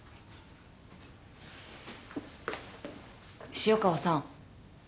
潮川さん。